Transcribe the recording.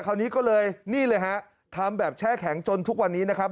คราวนี้ก็เลยนี่เลยฮะทำแบบแช่แข็งจนทุกวันนี้นะครับ